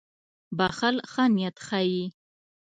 • بښل ښه نیت ښيي.